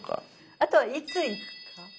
あとはいつ行くか。